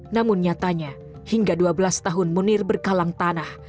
namun nyatanya hingga dua belas tahun munir berkalang tanah